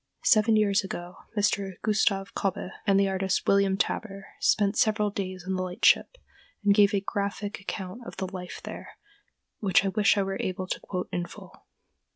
Seven years ago Mr. Gustav Kobbé, and the artist, William Taber, spent several days on the lightship and gave a graphic account of the life there, which I wish I were able to quote in full.